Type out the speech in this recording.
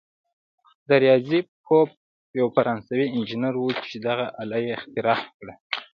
دا ریاضي پوه یو فرانسوي انجنیر وو چې دغه آله یې اختراع کړه.